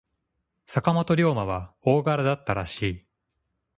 坂本龍馬は大柄だったらしい。